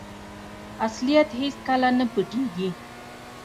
اصلیت هیڅکله نه پټیږي.